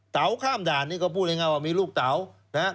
ข้ามด่านนี่ก็พูดง่ายว่ามีลูกเต๋านะฮะ